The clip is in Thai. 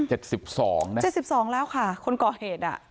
อืม๗๒เนี่ย๗๒แล้วค่ะคนก่อเหตุอ่ะ